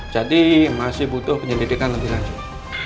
jadi masih butuh penyelidikan lebih lanjut